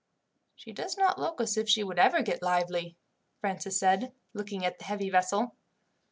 "She does not look as if she would ever get lively," Francis said, looking at the heavy vessel.